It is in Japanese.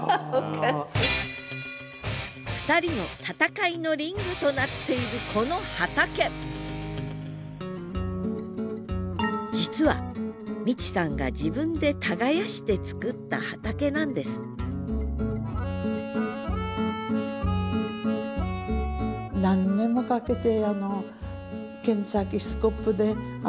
２人の闘いのリングとなっているこの畑実は光さんが自分で耕してつくった畑なんですそんなもんですからね